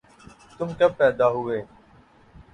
تم کب پیدا ہوئے